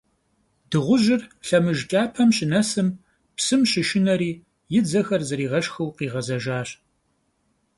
Дыгъужьыр лъэмыж кӀапэм щынэсым, псым щышынэри, и дзэхэр зэригъэшхыу къигъэзэжащ.